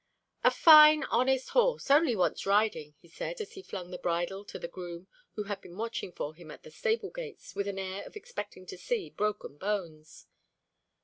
"A fine, honest horse! Only wants riding," he said, as he flung the bridle to the groom, who had been watching for him at the stable gates, with an air of expecting to see broken bones.